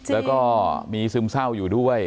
แล้วก็มีซึมเศร้าอยู่ด้วย